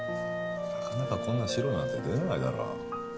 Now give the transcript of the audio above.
なかなかこんな白なんて出ないだろ